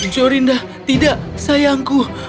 jorindel tidak sayangku